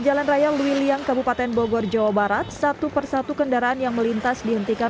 jalan raya luiliang kabupaten bogor jawa barat satu persatu kendaraan yang melintas dihentikan